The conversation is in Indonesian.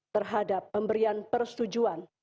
terhadap pemberian persetujuan